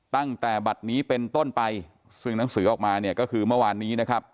ตั้งแต่บัตรนี้เป็นต้นไปซึ่งหนังสือออกมาเนี่ยก็คือเมื่อวานนี้นะครับ